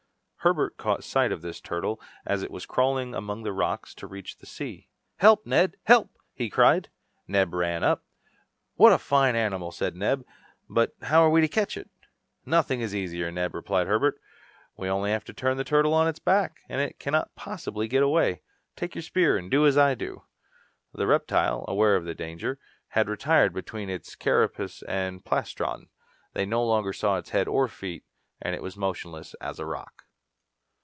Herbert caught sight of this turtle as it was crawling among the rocks to reach the sea. "Help, Neb, help!" he cried. Neb ran up. "What a fine animal!" said Neb; "but how are we to catch it?" "Nothing is easier, Neb," replied Herbert. "We have only to turn the turtle on its back, and it cannot possibly get away. Take your spear and do as I do." The reptile, aware of danger, had retired between its carapace and plastron. They no longer saw its head or feet, and it was motionless as a rock.